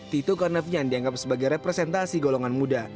tito karnavian dianggap sebagai representasi golongan muda